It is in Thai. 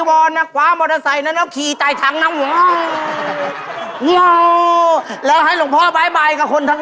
เราให้ลูกพ่อเนี่ย